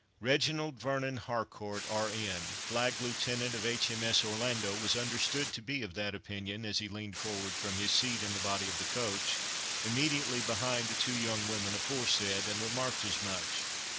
Reginald Vernon Harcourt, R.N., Flag Lieutenant of H.M.S. Orlando, was understood to be of that opinion, as he leaned forward from his seat in the body of the coach, immediately behind the two young women aforesaid, and remarked as much.